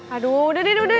aduh udah deh udah deh